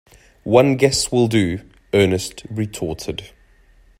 One guess will do, Ernest retorted.